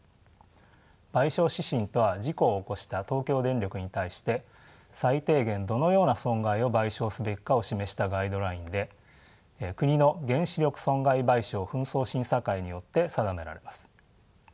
賠償指針とは事故を起こした東京電力に対して最低限どのような損害を賠償すべきかを示したガイドラインで国の原子力損害賠償紛争審査会によって定められます。